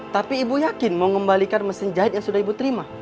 tapi ibu yakin mau mengembalikan mesin jahit yang sudah ibu terima